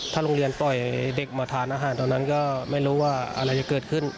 โรงเรียนปล่อยเด็กมาทานอาหารตอนนั้นก็ไม่รู้ว่าอะไรจะเกิดขึ้น